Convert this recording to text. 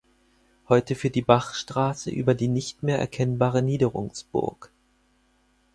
Heute führt die Bachstraße über die nicht mehr erkennbare Niederungsburg.